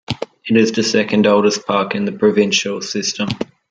It is the second oldest park in the provincial system.